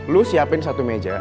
lo siapin satu meja